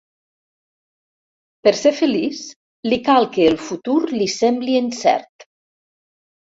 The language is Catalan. Per ser feliç li cal que el futur li sembli incert.